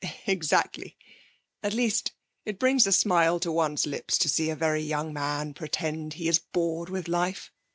'Exactly! At least, it brings a smile to one's lips to see a very young man pretend he is bored with life.